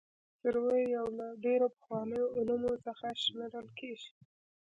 سروې یو له ډېرو پخوانیو علومو څخه شمېرل کیږي